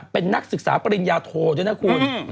เป็นนักศึกษาปริญญาโทด้วยนะคุณ